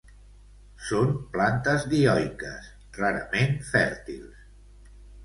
Són plantes dioiques, rarament fèrtils.